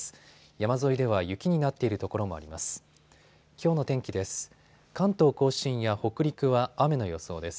山沿いでは雪になっている所もあります。